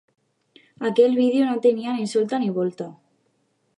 Aquell vídeo no tenia ni solta ni volta